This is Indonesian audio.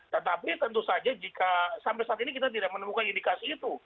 tetapi tentu saja jika sampai saat ini kita tidak menemukan indikasi itu